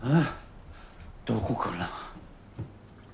どこかな？